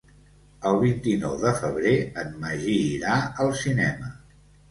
El vint-i-nou de febrer en Magí irà al cinema.